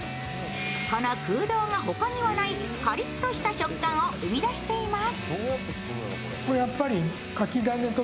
この空洞が他にはないカリッとした食感を生み出しています。